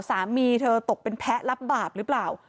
สามีเธอตกเป็นแพ้รับบาปหรือเปล่า